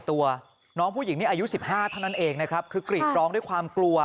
ตัวน้องผู้หญิงนี่อายุสิบห้าเท่านั้นเองนะครับคือกรีดร้องด้วยความกลัว